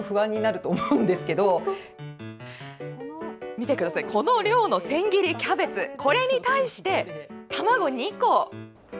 見てください、この量の千切りキャベツに対して、卵２個。